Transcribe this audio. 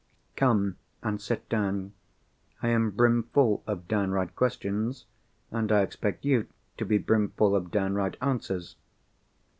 Come, and sit down. I am brimful of downright questions; and I expect you to be brimful of downright answers."